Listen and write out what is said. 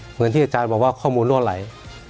เหมือนที่อาจารย์บอกว่าข้อมูลรั่วไหล